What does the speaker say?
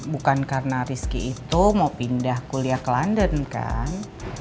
bukan karena rizky itu mau pindah kuliah ke london kan